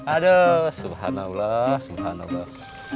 aduh subhanallah subhanallah